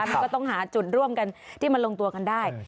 มันก็ต้องหาจุดร่วมกันที่มันลงตัวกันได้